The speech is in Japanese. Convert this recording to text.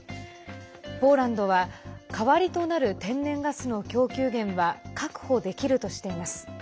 ポーランドは代わりとなる天然ガスの供給源は確保できるとしています。